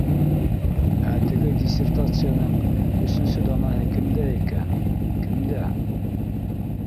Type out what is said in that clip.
Ә теге диссертацияның өсөнсө данаһы кемдә икән? Кемдә?